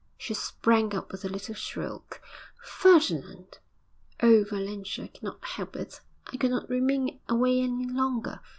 She sprang up with a little shriek. 'Ferdinand!' 'Oh, Valentia, I cannot help it. I could not remain away any longer.